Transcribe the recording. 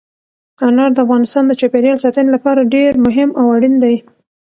انار د افغانستان د چاپیریال ساتنې لپاره ډېر مهم او اړین دي.